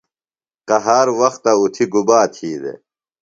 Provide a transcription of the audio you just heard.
قہار وختہ اُتھیۡ گُبا تھی دےۡ؟